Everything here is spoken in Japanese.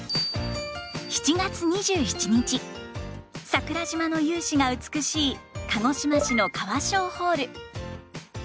桜島の雄姿が美しい鹿児島市の川商ホール。